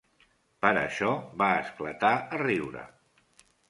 Per això va esclatar a riure.